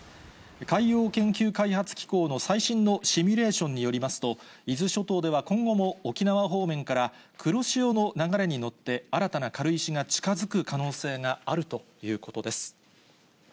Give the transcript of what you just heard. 海洋研究開発機構の最新のシミュレーションによりますと、伊豆諸島では今後も沖縄方面から黒潮の流れに乗って、新たな軽石が近づく可能性があるということです。